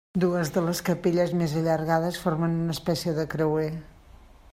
Dues de les capelles més allargades formen una espècie de creuer.